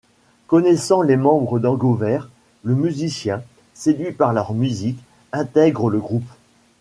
Connaissant les membres d'Hangover, le musicien, séduit par leur musique, intègre le groupe.